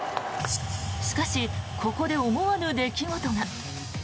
しかし、ここで思わぬ出来事が。